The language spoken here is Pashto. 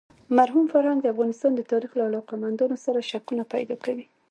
مرحوم فرهنګ د افغانستان د تاریخ له علاقه مندانو سره شکونه پیدا کوي.